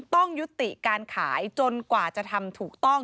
ต้องยุติการขายจนกว่าจะทำถูกต้อง